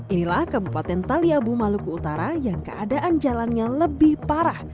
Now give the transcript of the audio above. inilah kabupaten taliabu maluku utara yang keadaan jalannya lebih parah